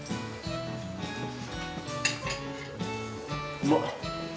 うまっ。